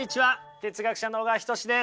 哲学者の小川仁志です。